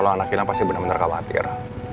kalau anak kita pasti bener bener khawatir